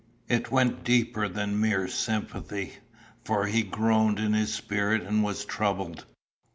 It went deeper than mere sympathy; for he groaned in his spirit and was troubled.